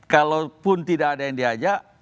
kalaupun tidak ada yang diajak